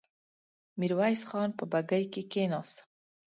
ميرويس خان په بګۍ کې کېناست.